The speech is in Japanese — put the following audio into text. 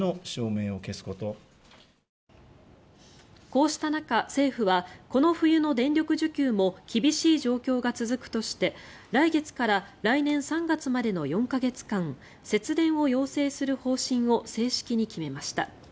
こうした中、政府はこの冬の電力需給も厳しい状況が続くとして来月から来年３月までの４か月間節電を要請する方針を正式に決めました。